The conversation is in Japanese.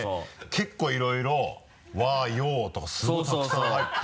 結構いろいろ和洋とかすごいたくさん入って。